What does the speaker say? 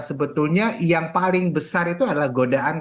sebetulnya yang paling besar itu adalah godaan